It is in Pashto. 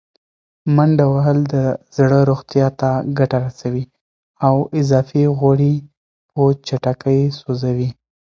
منډه وهل د زړه روغتیا ته ګټه رسوي او اضافي غوړي په چټکۍ سوځوي.